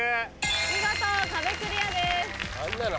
見事壁クリアです。